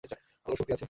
আলোর শক্তি আছে।